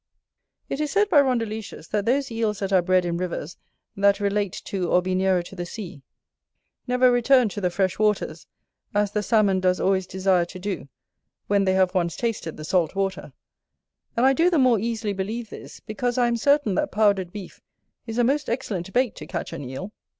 It is said by Rondeletius, that those Eels that are bred in rivers that relate to or be nearer to the sea, never return to the fresh waters, as the Salmon does always desire to do, when they have once tasted the salt water; and I do the more easily believe this, because I am certain that powdered beef is a most excellent bait to catch an Eel.